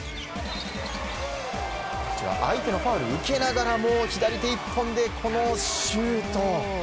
相手のファウルを受けながらも左手１本でこのシュート。